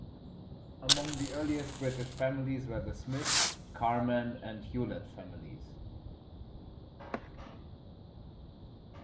Among the earliest British families were the Smith, Carman and Hewlett families.